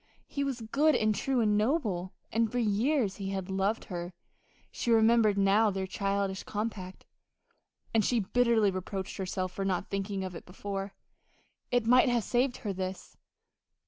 He was good and true and noble, and for years he had loved her she remembered now their childish compact, and she bitterly reproached herself for not thinking of it before it might have saved her this....